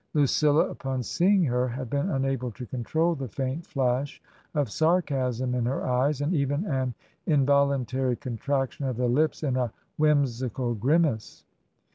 Lucilla upon seeing her had been unable to control the faint flash of sarcasm in her tyos^ and even an involun tary contraction of the lips in a whimsical grimace.